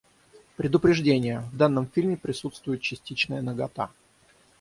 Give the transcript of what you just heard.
Предупреждение! В данном фильме присутствует частичная нагота.